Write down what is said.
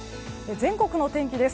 全国のお天気です。